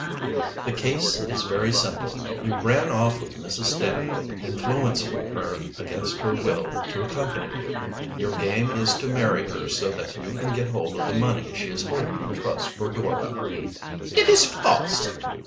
"The case is very simple. You ran off with Mrs. Stanhope, influencing her against her will to accompany you. Your game is to marry her so that you can get hold of the money she is holding in trust for Dora " "It is false!"